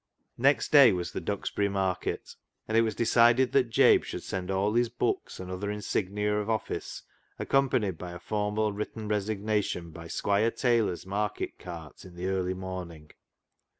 Next day was the Duxbury market, and it was decided that Jabe should send all his books and other insignia of office, accompanied by a formal written resignation, by Squire Taylor's market cart in the early morning.